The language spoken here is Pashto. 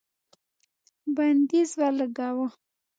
بندیز ولګاوه